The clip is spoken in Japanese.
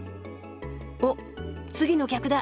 おっ次の客だ。